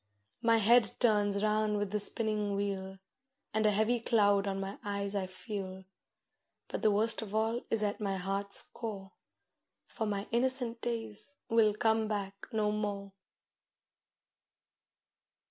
My head turns round with the spinning wheel, And a heavy cloud on my eyes I feel. But the worst of all is at my heart's core; For my innocent days will come back no more.